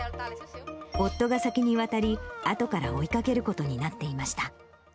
夫が先に渡り、後から追いかけることになっていました。